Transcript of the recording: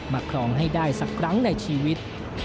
ครองให้ได้สักครั้งในชีวิต